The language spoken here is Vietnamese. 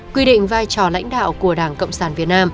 quy định vai trò lãnh đạo của đảng cộng sản việt nam